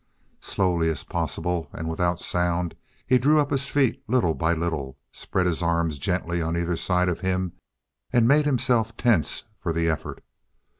Slowly as possible and without sound, he drew up his feet little by little, spread his arms gently on either side of him, and made himself tense for the effort.